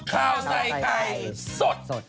ข้าวใส่ไข่สด